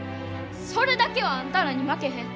それだけはあんたらに負けへん。